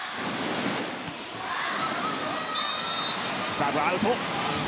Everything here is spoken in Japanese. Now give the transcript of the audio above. サーブはアウト。